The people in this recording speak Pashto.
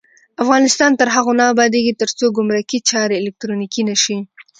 افغانستان تر هغو نه ابادیږي، ترڅو ګمرکي چارې الکترونیکي نشي.